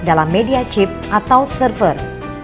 dalam media chip atau server